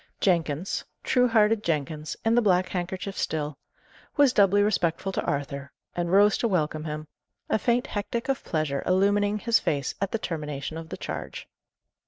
Jenkins truehearted Jenkins, in the black handkerchief still was doubly respectful to Arthur, and rose to welcome him; a faint hectic of pleasure illumining his face at the termination of the charge.